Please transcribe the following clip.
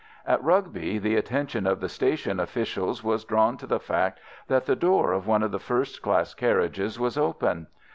At Rugby the attention of the station officials was drawn to the fact that the door of one of the first class carriages was open.